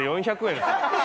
４００円？